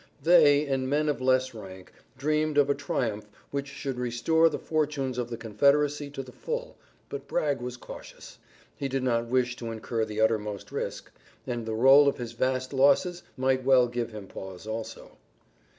They and men of less rank dreamed of a triumph which should restore the fortunes of the Confederacy to the full, but Bragg was cautious. He did not wish to incur the uttermost risk, and the roll of his vast losses might well give him pause also.